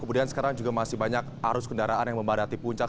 kemudian sekarang juga masih banyak arus kendaraan yang membadati puncak